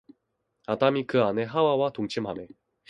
아담이 그 아내 하와와 동침하매